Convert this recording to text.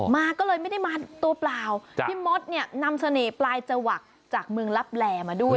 มาก็เลยไม่ได้มาตัวเปล่าพี่มดเนี่ยนำเสน่ห์ปลายจวักจากเมืองลับแลมาด้วย